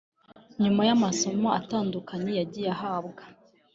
nyuma y’amasomo atandukanye yagiye ahabwa